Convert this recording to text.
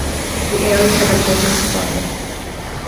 The area has a desert climate.